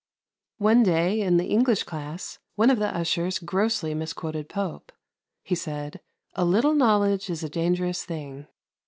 One day, in the English class, one of the ushers grossly misquoted Pope. He said, "A little knowledge is a dangerous thing."